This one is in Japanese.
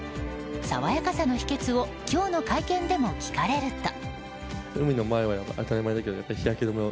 爽やかさの秘訣を今日の会見でも聞かれると。